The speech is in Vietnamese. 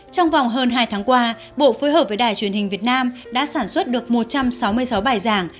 trong vòng hơn hai tháng qua bộ phối hợp với đài truyền hình việt nam đã sản xuất được một trăm sáu mươi sáu bài giảng